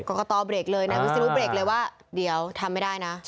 กรกตเบรกเลยนายวิศนุเบรกเลยว่าเดี๋ยวทำไม่ได้นะ